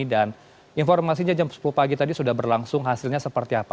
dan informasinya jam sepuluh pagi tadi sudah berlangsung hasilnya seperti apa